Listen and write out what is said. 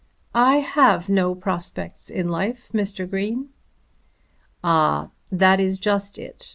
"I have no prospects in life, Mr. Green." "Ah; that is just it.